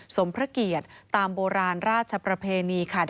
สมพระเกียรติตามโบราณราชประเพณีค่ะ